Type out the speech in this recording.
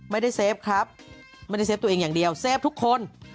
เซฟครับไม่ได้เฟฟตัวเองอย่างเดียวเซฟทุกคน